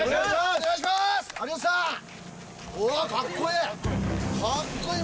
おおかっこいい！